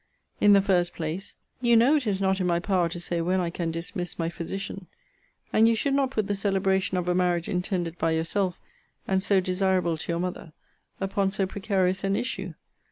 In the first place you know it is not in my power to say when I can dismiss my physician; and you should not put the celebration of a marriage intended by yourself, and so desirable to your mother, upon so precarious an issue.